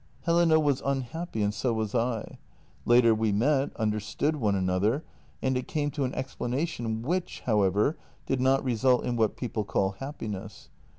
" Helene was unhappy, and so was I. Later we met, under stood one another, and it came to an explanation which, how ever, did not result in what people call happiness.